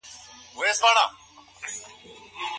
د دوکتورا برنامه بې دلیله نه تړل کیږي.